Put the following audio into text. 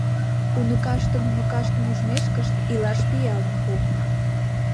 Уныкаштын уныкаштым ужмешкышт илаш пиалым пу!